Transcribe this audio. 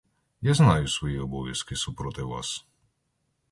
Я знаю свої обов'язки супроти вас.